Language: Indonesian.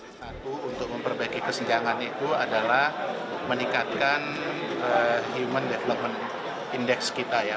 satu untuk memperbaiki kesenjangan itu adalah meningkatkan human development index kita ya